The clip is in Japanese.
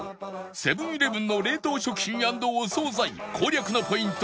セブン−イレブンの冷凍食品＆お惣菜攻略のポイント